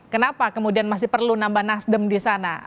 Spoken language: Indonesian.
kenapa kemudian masih perlu nambah nasdem di sana